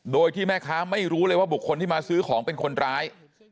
โดยที่แม่ค้าไม่รู้เลยว่าบุคคลที่มาซื้อของเป็นคนร้าย